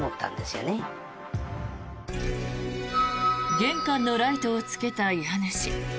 玄関のライトをつけた家主。